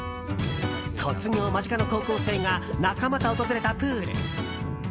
卒業間近の高校生が仲間と訪れたプール。